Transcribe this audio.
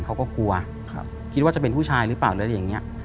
เขาก็กลัวคิดว่าจะเป็นผู้ชายหรือเปล่าหรืออะไรอย่างนี้